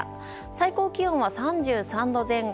最高気温は３３度前後。